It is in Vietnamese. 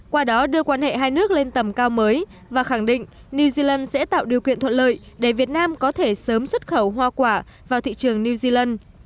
qua đó đưa quan hệ hai nước lên tầm cao mới và khẳng định new zealand sẽ tạo điều kiện thuận lợi để việt nam có thể sớm xuất khẩu hoa quả vào thị trường new zealand